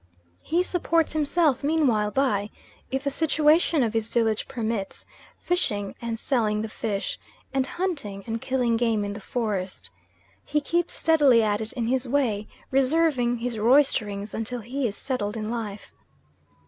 He supports himself meanwhile by, if the situation of his village permits, fishing and selling the fish, and hunting and killing game in the forest. He keeps steadily at it in his way, reserving his roysterings until he is settled in life.